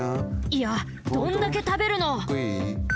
いやどんだけたべるの！